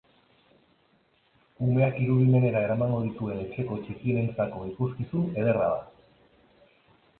Umeak irudimenera eramango dituen etxeko txikienentzako ikuskizun ederra da.